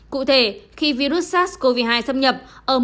cụ thể khi virus sars cov hai xâm nhập